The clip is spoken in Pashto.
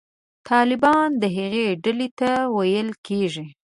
طالبان هغې ډلې ته ویل کېږي.